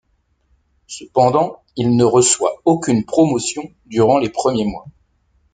Cependant, il ne reçoit aucune promotion durant les premiers mois.